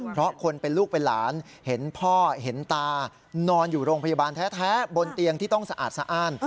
เพราะคนเป็นลูกเป็นหลานเห็นพ่อเห็นตานอนอยู่โรงพยาบาลแท้บนเตียงที่ต้องสะอาดสะอ้าน